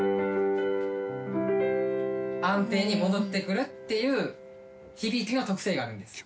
安定に戻ってくるっていう響きの特性があるんです。